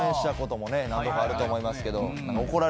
何度かあると思いますけど。